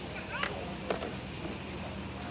สวัสดีครับทุกคน